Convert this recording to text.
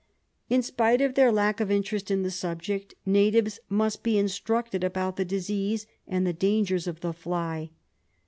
In spite of their lack of interest in the subject, natives must be instructed about the disease and the dangers of the fly.